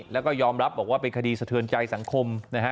แล้วก็ยอมรับบอกว่าเป็นคดีสะเทือนใจสังคมนะฮะ